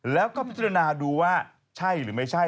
แล้วก็พิจารณาดูว่าใช่หรือไม่ใช่